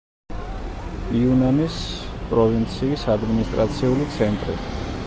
იუნანის პროვინციის ადმინისტრაციული ცენტრი.